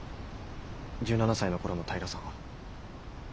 １７才の頃の平さんは。